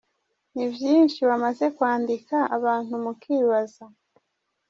Ni vyinshi bamaze kwandika abantu mukibaza.